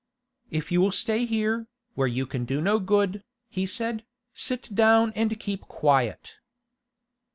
'If you will stay here, where you can do no good,' he said, 'sit down and keep quiet.